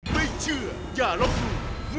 ไม่เชื่ออย่าลบหลู่